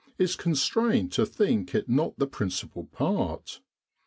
is constrained to think it not the principal part.